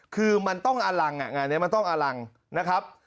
คือมันต้องอลังงานนี้มันต้องอลังนะครับ